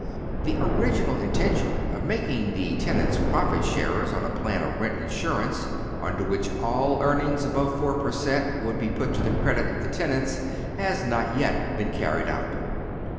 The original intention of making the tenants profit sharers on a plan of rent insurance, under which all earnings above four per cent, would be put to the credit of the tenants, has not j'et been carried out.